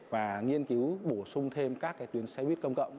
và nghiên cứu bổ sung thêm các tuyến xe buýt công cộng